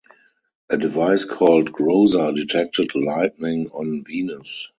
A device called Groza detected lightning on Venus.